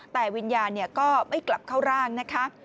แต่วิญญาณก็ไม่กลับเข้าร่างนะคะ